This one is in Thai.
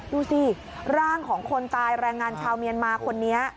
ดูสิร่างของคนตายแรงงานชาวเมียนมาคนนี้